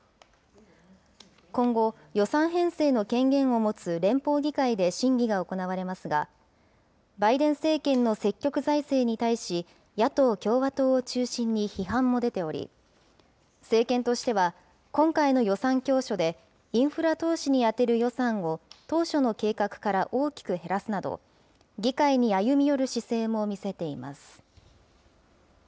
今後、予算編成の権限を持つ連邦議会で審議が行われますが、バイデン政権の積極財政に対し、野党・共和党を中心に批判も出ており、政権としては、今回の予算教書で、インフラ投資に充てる予算を当初の計画から大きく減らすなど、議会に歩み寄る姿勢も見せています。